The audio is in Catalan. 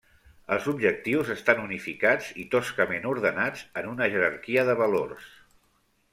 Els objectius estan unificats i toscament ordenats en una jerarquia de valors.